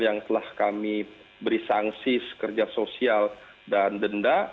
yang telah kami beri sanksi kerja sosial dan denda